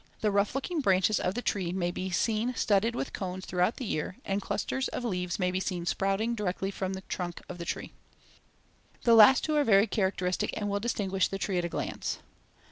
The rough looking branches of the tree may be seen studded with cones throughout the year, and clusters of leaves may be seen sprouting directly from the trunk of the tree; see Fig. 5. The last two are very characteristic and will distinguish the tree at a glance.